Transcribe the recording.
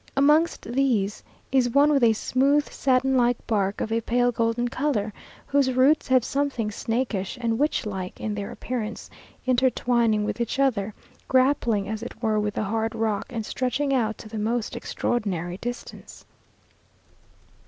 Amongst these, is one with a smooth, satin like bark, of a pale golden colour, whose roots have something snakish and witch like in their appearance, intertwining with each other, grappling as it were with the hard rock, and stretching out to the most extraordinary distance.